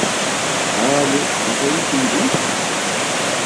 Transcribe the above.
Alu? Mazal-ikem din?